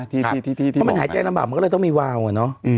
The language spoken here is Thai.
ถ้ามันหายใจลำบากมันก็เลยต้องมีวาวอะเนาะ